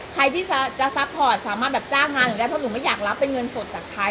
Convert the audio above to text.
ใครที่จะซัพพอร์ตสามารถแบบจ้างงานหนูได้เพราะหนูไม่อยากรับเป็นเงินสดจากใคร